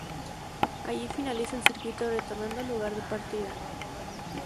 Allí finaliza el circuito retornando al lugar de partida.